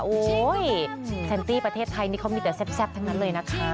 แซนตี้ประเทศไทยนี่เขามีแต่แซ่บทั้งนั้นเลยนะคะ